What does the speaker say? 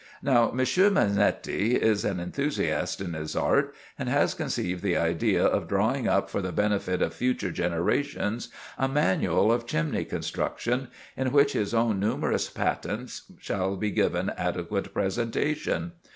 Now, Monsieur Monetti is an enthusiast in his art, and has conceived the idea of drawing up for the benefit of future generations, a manual of chimney construction, in which his own numerous patents shall be given adequate presentation.